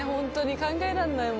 考えられないもう。